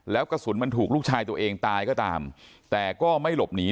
แล้วกระสุนมันถูกลูกชายตัวเองตายก็ตามแต่ก็ไม่หลบหนี